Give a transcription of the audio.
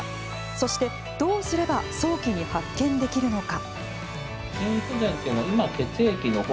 そして、どうすれば早期に発見できるのか。